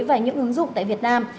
và những ứng dụng tại việt nam